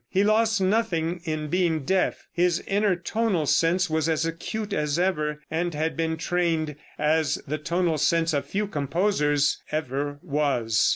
He lost nothing in being deaf. His inner tonal sense was as acute as ever, and had been trained as the tonal sense of few composers ever was.